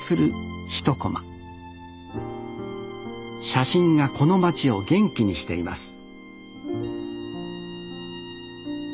写真がこの町を元気にしています